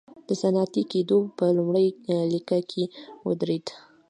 د صنعتي کېدو په لومړۍ لیکه کې ودرېد.